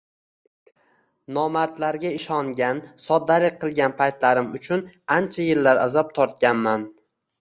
Nomardlarga ishongan, soddalik qilgan paytlarim uchun ancha yillar azob tortganman